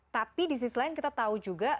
tapi di sisi lain kita tahu juga